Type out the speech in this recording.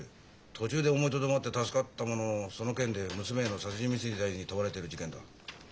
途中で思いとどまって助かったもののその件で娘への殺人未遂罪に問われてる事件だ。